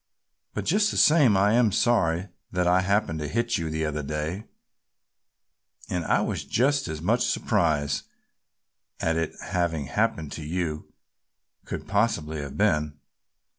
But just the same I am sorry that I happened to hit you the other day and I was just as much surprised at its having happened as you could possibly have been."